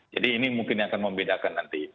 jadi ini mungkin akan membedakan nanti